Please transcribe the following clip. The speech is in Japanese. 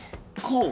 こう？